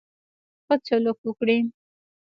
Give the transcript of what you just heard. ښه سلوک وکړي.